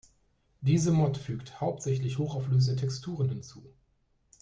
Diese Mod fügt hauptsächlich hochauflösende Texturen hinzu.